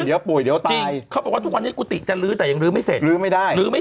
เดี๋ยวป่วยเดี๋ยวตายเขาบอกว่าทุกวันนี้กุฏิจะลื้อแต่ยังลื้อไม่เสร็จลื้อไม่ได้ลื้อไม่